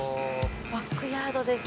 バックヤードです。